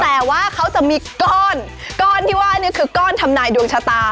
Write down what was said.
แต่ว่าเขาจะมีก้อนก้อนที่ว่านี่คือก้อนทำนายดวงชะตา